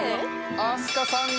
飛鳥さんさ。